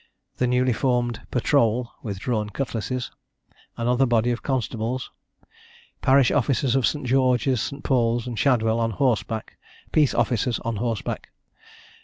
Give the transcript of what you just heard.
The newly formed patrole, with drawn cutlasses. Another body of constables. Parish officers of St. Georgeâs, St. Paulâs, and Shadwell, on horseback. Peace officers, on horseback.